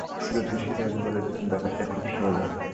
জ্যোতিষীজি বলেছেন ব্যাপারটা খুব সোজা।